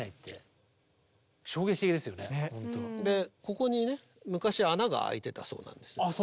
ここにね昔穴があいてたそうなんです。